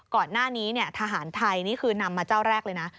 ก่อนหน้านี้ทหารไทยนี่คือนำมาเจ้าแรกเลยนะ